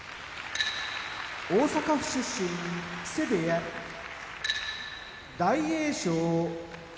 大阪府出身木瀬部屋大栄翔